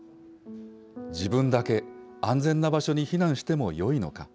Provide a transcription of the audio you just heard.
自分だけ、安全な場所に避難してもよいのか。